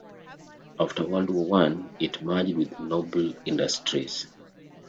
After World War One it merged with Nobel Industries.